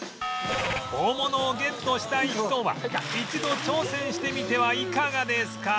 大物をゲットしたい人は一度挑戦してみてはいかがですか？